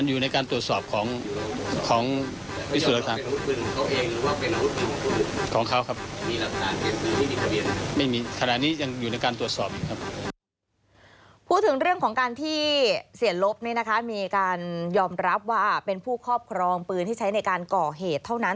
พูดถึงเรื่องของการที่เสียลบมีการยอมรับว่าเป็นผู้ครอบครองปืนที่ใช้ในการก่อเหตุเท่านั้น